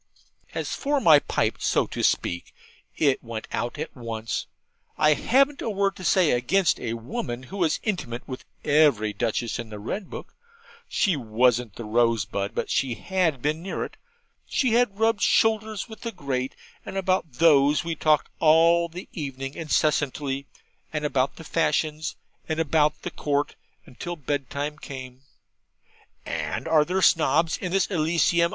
As for my pipe, so to speak, it went out at once. I hadn't a word to say against a woman who was intimate with every Duchess in the Red Book. She wasn't the rosebud, but she had been near it. She had rubbed shoulders with the great, and about these we talked all the evening incessantly, and about the fashions, and about the Court, until bed time came. 'And are there Snobs in this Elysium?'